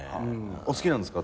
お好きなんですか？